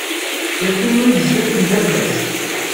Yeqqim-d sdat n baba-s!